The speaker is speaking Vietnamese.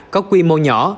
có quy mô nhỏ